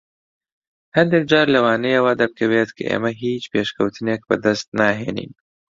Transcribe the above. هەندێک جار لەوانەیە وا دەربکەوێت کە ئێمە هیچ پێشکەوتنێک بەدەست ناهێنین.